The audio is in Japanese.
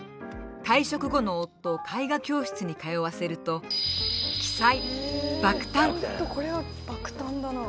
退職後の夫を絵画教室に通わせるとこれは爆誕だな。